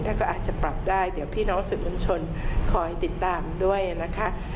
แล้วก็อาจจะปรับได้เดี๋ยวพี่น้องสื่อมวลชนคอยติดตามด้วยนะคะ